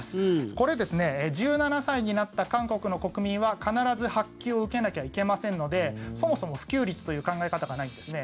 これ、１７歳になった韓国の国民は必ず発給を受けなきゃいけませんのでそもそも普及率という考え方がないんですね。